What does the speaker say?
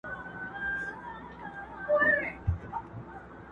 د ژوندون کیسه مي وړمه د څپو منځ کي حُباب ته.